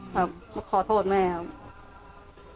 ครับขอโทษแม่ครับ